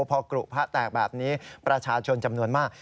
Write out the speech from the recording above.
พอกรุพระแตกแบบนี้ประชาชนจำนวนมาก